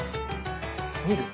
見る。